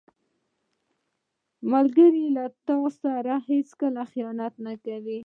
ملګری له تا سره هیڅکله خیانت نه کوي